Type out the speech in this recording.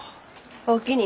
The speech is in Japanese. おおきに。